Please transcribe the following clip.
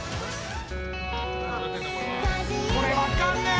これ分かんねえ！